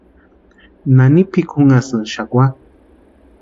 ¿Nani pʼikunhasïnki xakwa?